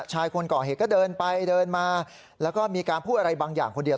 คนก่อเหตุก็เดินไปเดินมาแล้วก็มีการพูดอะไรบางอย่างคนเดียว